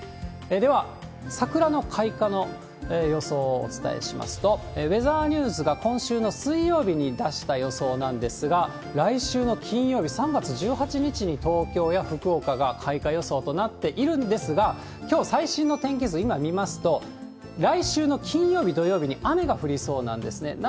では、桜の開花の予想をお伝えしますと、ウェザーニューズが今週の水曜日に出した予想なんですが、来週の金曜日３月１８日に東京や福岡が開花予想となっているんですが、きょう、最新の天気図、今、見ますと、来週の金曜日、土曜日に雨が降りそうなんですね。